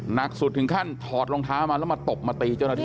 หนักสุดถึงขั้นถอดรองเท้ามาแล้วมาตบมาตีเจ้าหน้าที่